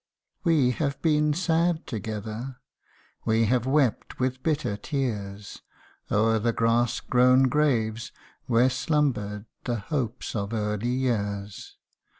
We have been sad together, We have wept with bitter tears, O'er the grass grown graves, where slumbered The hopes of early years.